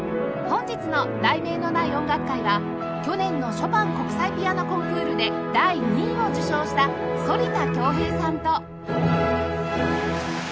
本日の『題名のない音楽会』は去年のショパン国際ピアノコンクールで第２位を受賞した反田恭平さんと